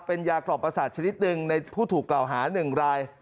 เป็นยากรอบประสาทชนิดหนึ่งในผู้ถูกกล่าวหา๑ราย